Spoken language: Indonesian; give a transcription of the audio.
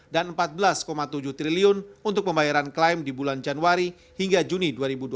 dan rp empat belas tujuh triliun untuk pembayaran klaim di bulan januari hingga juni dua ribu dua puluh satu